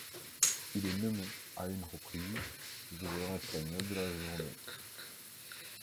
Il est nommé à une reprise joueur espagnol de la journée.